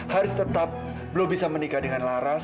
harus tetap belum bisa menikah dengan laras